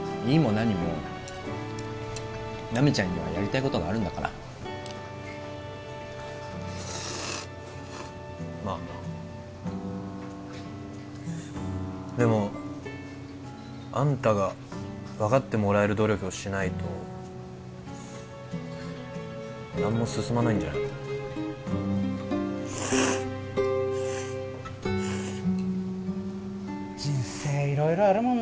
いいも何も奈未ちゃんにはやりたいことがあるんだからまあなでもあんたが分かってもらえる努力をしないと何も進まないんじゃないの？